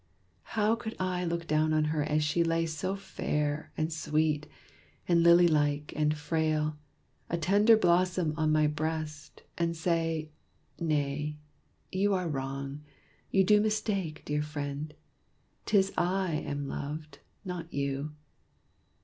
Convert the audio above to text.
How could I look down on her as she lay So fair, and sweet, and lily like, and frail A tender blossom on my breast, and say, "Nay, you are wrong you do mistake, dear friend! 'Tis I am loved, not you"?